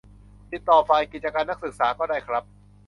ติดต่อฝ่ายกิจการนักศึกษาก็ได้ครับ